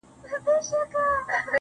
اوس يــې آهـونـــه په واوښتـل